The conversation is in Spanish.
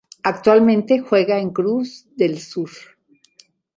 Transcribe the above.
Actualmente juega en Cruz del Sur.